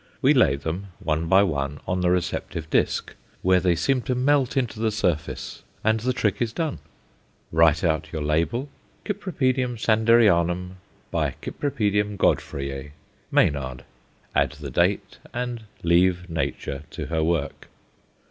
We lay them one by one on the receptive disc, where they seem to melt into the surface and the trick is done. Write out your label "Cyp. Sanderianum × Cyp. Godefroyæ, Maynard." Add the date, and leave Nature to her work.